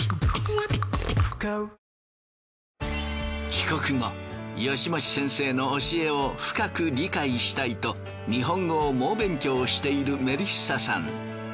帰国後吉用先生の教えを深く理解したいと日本語を猛勉強しているメリッサさん。